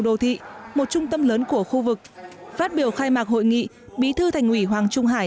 đô thị một trung tâm lớn của khu vực phát biểu khai mạc hội nghị bí thư thành ủy hoàng trung hải